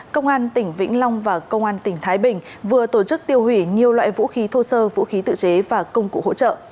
công an tỉnh vĩnh long và công an tỉnh thái bình vừa tổ chức tiêu hủy nhiều loại vũ khí thô sơ vũ khí tự chế và công cụ hỗ trợ